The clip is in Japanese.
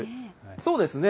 そうですね。